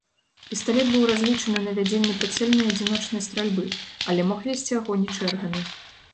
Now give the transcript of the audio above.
Пісталет быў разлічаны на вядзенне прыцэльнай адзіночнай стральбы, але мог весці агонь і чэргамі.